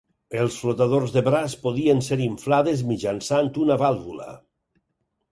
Els flotadors de braç podien ser inflades mitjançant una vàlvula.